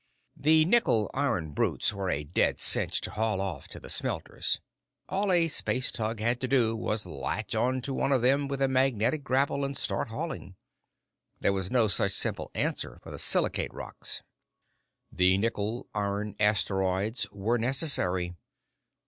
The nickel iron brutes were a dead cinch to haul off to the smelters. All a space tug had to do was latch on to one of them with a magnetic grapple and start hauling. There was no such simple answer for the silicate rocks. The nickel iron asteroids were necessary.